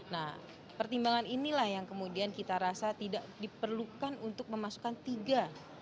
nah pertimbangan inilah yang kemudian kita rasa tidak diperlukan untuk memasukkan tiga